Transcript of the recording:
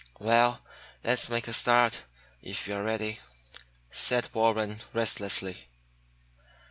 "Well, let's make a start, if you are ready," said Warren restlessly.